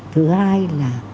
thứ hai là